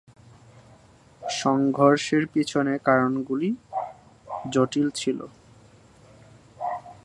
সংঘর্ষের পিছনে কারণগুলি জটিল ছিল।